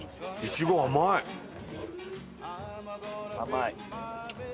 甘い。